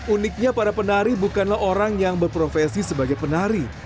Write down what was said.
uniknya para penari bukanlah orang yang berprofesi sebagai penari